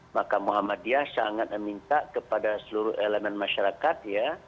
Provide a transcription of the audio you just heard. maka muhammadiyah sangat meminta kepada seluruh elemen masyarakat ya